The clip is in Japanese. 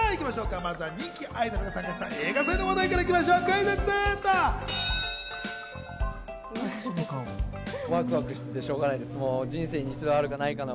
まずは人気アイドルが参加した映画祭の話題からクイズッスと。